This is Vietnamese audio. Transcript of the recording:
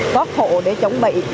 góp hộ để chuẩn bị